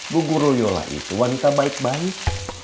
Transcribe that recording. bu ruyola itu wanita baik baik